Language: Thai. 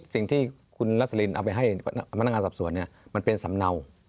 สิ่งที่คุณรัสลินเอาไปให้พนักงานสอบสวนมันเป็นสำเนา